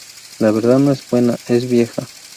La verdad no es nueva, es vieja.